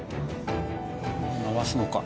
回すのか。